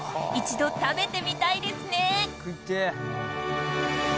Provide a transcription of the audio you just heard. ［一度食べてみたいですね］